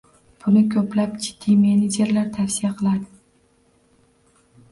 Buni ko'plab jiddiy menejerlar tavsiya qiladi